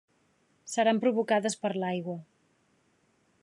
Seran provocades per l'aigua.